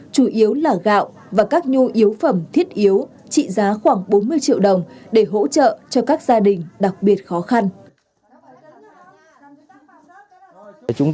chủ yếu là gạo và các nhu yếu phẩm thiết yếu trị giá khoảng bốn mươi triệu đồng để hỗ trợ cho các gia đình